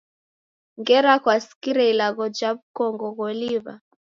Ngera kwasikire ilagho ja w'ukongo gholiw'a?